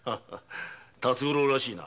辰五郎らしいな。